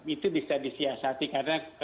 itu bisa disiasati karena